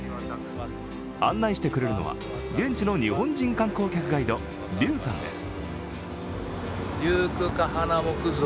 案内してくれるのは、現地の日本人観光客ガイド、Ｒｙｕさんです。